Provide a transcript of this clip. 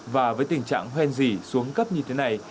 và với tình trạng hoen dỉ xuống cấp như thế này